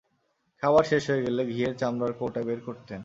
খাবার শেষ হয়ে গেলে ঘিয়ের চামড়ার কৌটা বের করতেন।